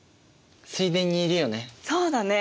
水田にいるよね。